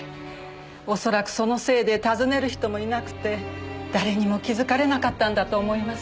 おそらくそのせいで訪ねる人もいなくて誰にも気づかれなかったんだと思います。